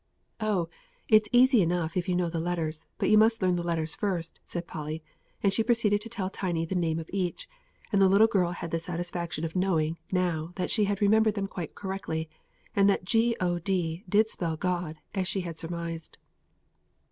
"Oh, it's easy enough if you know the letters; but you must learn the letters first," said Polly; and she proceeded to tell Tiny the name of each; and the little girl had the satisfaction of knowing now that she had remembered them quite correctly, and that G O D did spell God, as she had surmised.